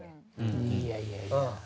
いやいやいや。